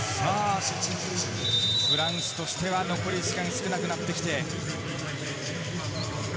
フランスとしては残り時間少なくなってきて。